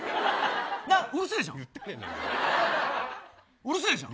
うるせえじゃん。